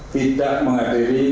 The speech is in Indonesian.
tidak menghadiri permintaan